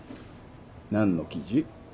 何の記事？